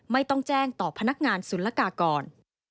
ไม่ต้องแจ้งต่อพนักงานศุลกากร